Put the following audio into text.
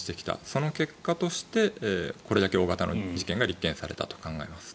その結果としてこれだけ大型の事件が立件されたと考えます。